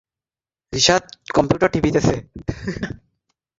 দুই-এক সপ্তাহ চলিয়া গেল, উদয়াদিত্যের বিষয়ে সকলেই একপ্রকার নিশ্চিত হইয়াছেন।